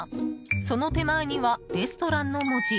その手前にはレストランの文字。